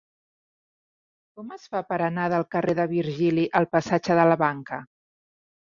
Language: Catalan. Com es fa per anar del carrer de Virgili al passatge de la Banca?